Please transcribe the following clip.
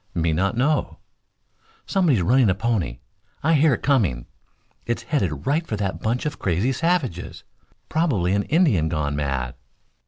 "Me not know." "Somebody's running a pony. I hear it coming. It's headed right for that bunch of crazy savages. Probably an Indian gone mad."